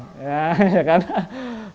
kita mengajak atau kampanye untuk menjaga bumi